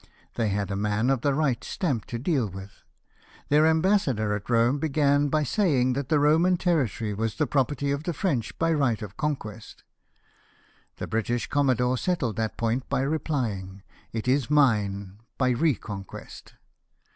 They had a man of the right stamp to deal with. Their ambassador at Kome began by saying that the Roman territory was the property of the French by right of conquest. The British commodore settled that point by replying, "It is mine by re conquest."